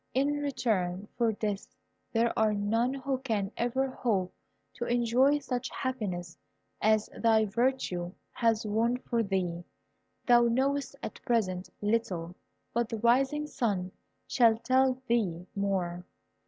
In return for this, there are none who can ever hope to enjoy such happiness as thy virtue has won for thee. Thou knowest at present little, but the rising sun shall tell thee more."